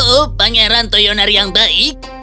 oh pangeran toyonar yang baik